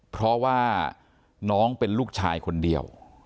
เพราะว่าน้องเป็นลูกชายคนเดียว